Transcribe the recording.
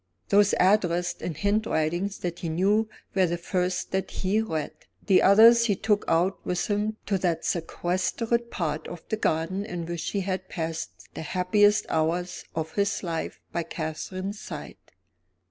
Those addressed in handwritings that he knew were the first that he read. The others he took out with him to that sequestered part of the garden in which he had passed the happiest hours of his life by Catherine's side.